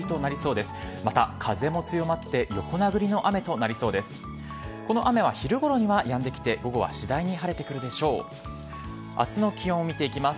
また、風も強まって横殴りの雨となりそうです。